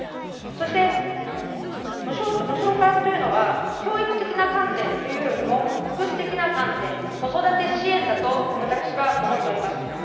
そして、無償化というのは、教育的な観点というよりも、福祉的な観点、子育て支援だと私は思っております。